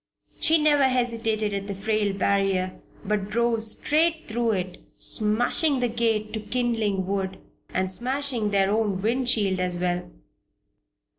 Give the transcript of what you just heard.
She never hesitated at the frail barrier, but drove straight through it, smashing the gate to kindling wood, and smashing their own wind shield as well.